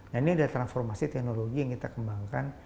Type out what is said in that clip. nah ini adalah transformasi teknologi yang kita kembangkan